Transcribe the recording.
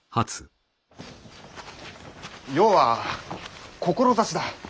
要は志だ。